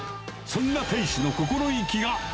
そんな店主の心意気が。